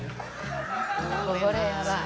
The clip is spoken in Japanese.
これやばい。